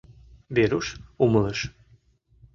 Веруш умылыш.